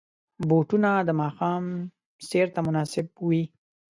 بوټونه د ماښام سیر ته مناسب وي.